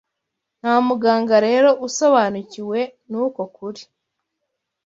Nta muganga rero usobanukiwe n’uko kuri